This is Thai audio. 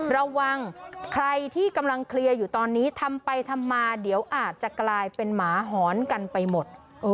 ระวังใครที่กำลังเคลียร์อยู่ตอนนี้ทำไปทำมาเดี๋ยวอาจจะกลายเป็นหมาหอนกันไปหมด